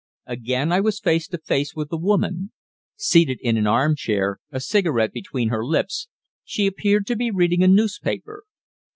Again I was face to face with the woman. Seated in an arm chair, a cigarette between her lips, she appeared to be reading a newspaper.